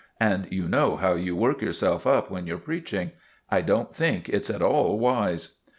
"And you know how you work yourself up when you're preaching. I don't think it's at all wise."